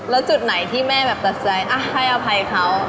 แล้วจุดไหนที่แม่แบบตัดใจให้อภัยเขา